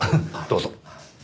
どうぞ。